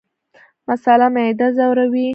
مساله معده ځوروي